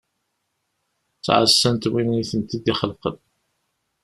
Ttɛasant win iten-id-ixelqen.